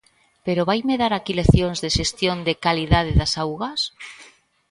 ¿Pero vaime dar aquí leccións de xestión de calidade das augas?